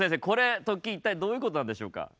これ突起一体どういうことなんでしょうか。